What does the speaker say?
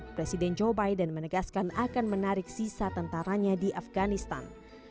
presiden joe biden menegaskan akan menarik sisa tentaranya di afganistan